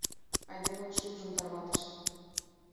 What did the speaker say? Айдемын шӱмжым тарватышт.